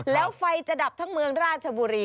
แล้วไฟจะดับทั้งเมืองราชบุรี